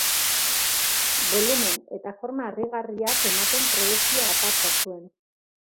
Bolumen eta forma harrigarriak ematen trebezia aparta zuen.